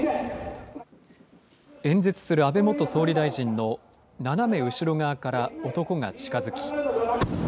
演説する安倍元総理大臣の斜め後ろ側から男が近づき。